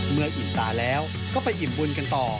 อิ่มตาแล้วก็ไปอิ่มบุญกันต่อ